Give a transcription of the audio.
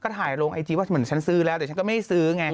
ถ่ายลงไอจีว่าเหมือนฉันซื้อแล้วเดี๋ยวฉันก็ไม่ซื้อไง